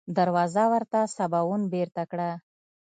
دروازه ورته سباوون بېرته کړه.